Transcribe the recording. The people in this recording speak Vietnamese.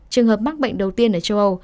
trường hợp mắc bệnh đầu tiên ở châu âu